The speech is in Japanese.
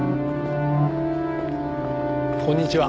こんにちは。